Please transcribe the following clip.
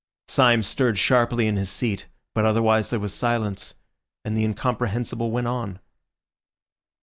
Syme stirred sharply in his seat, but otherwise there was silence, and the incomprehensible went on.